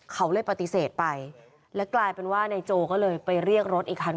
เขาเลยปฏิเสธไปแล้วกลายเป็นว่านายโจก็เลยไปเรียกรถอีกคัน